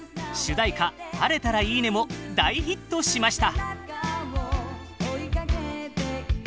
「晴れたらいいね」も大ヒットしました。